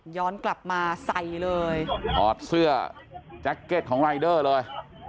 ย้อนกลับมาใส่เลยถอดเสื้อแจ็คเก็ตของรายเดอร์เลย